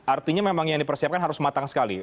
artinya memang yang dipersiapkan harus matang sekali